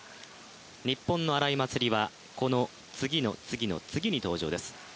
日本の荒井祭里はこの次の次の次に登場です。